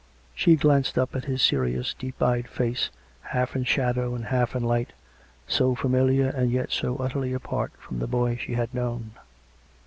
She glanced up at his serious, deep eyed face, half in shadow and half in light, so familiar, and yet so utterly apart from the boy she had known.